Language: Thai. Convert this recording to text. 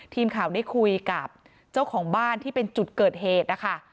ทีมข่าวได้คุยกับเจ้าของบ้านที่เป็นจุดเกิดเหตุนะคะ